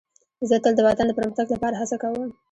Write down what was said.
زه تل د وطن د پرمختګ لپاره هڅه کوم.